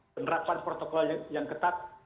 penerapan protokol yang ketat